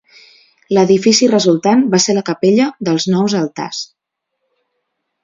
L'edifici resultant va ser la capella dels Nou Altars.